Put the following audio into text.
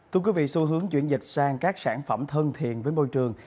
thưa quý vị xu hướng chuyển dịch sang các sản phẩm thân thiện với môi trường